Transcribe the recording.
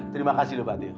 terima kasih lho pak teo